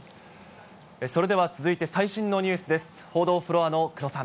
それでは続いて最新のニュースです。